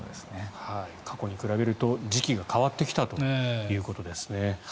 過去に比べると時期が変わってきたということですね。